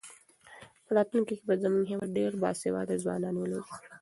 په راتلونکي کې به زموږ هېواد ډېر باسواده ځوانان ولري.